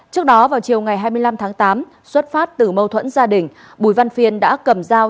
trước đó vào chiều ngày hai mươi năm tháng tám xuất phát từ mâu thuẫn gia đình bùi văn phiên đã cầm dao